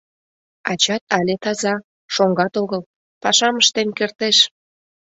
Ачат але таза, шоҥгат огыл, пашам ыштен кертеш.